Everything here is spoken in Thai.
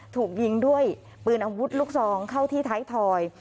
ถูกยิงด้วยปืนอาวุธลูกซองเข้าที่ท้ายถอย